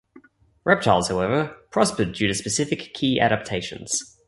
Reptiles, however, prospered due to specific key adaptations.